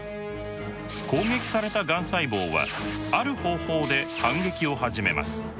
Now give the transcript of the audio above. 攻撃されたがん細胞はある方法で反撃を始めます。